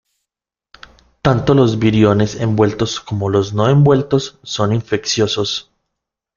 Tanto los viriones envueltos como los no envueltos son infecciosos.